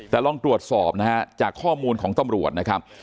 แต่ลองตรวจสอบนะฮะจากข้อมูลของตำรวจนะครับ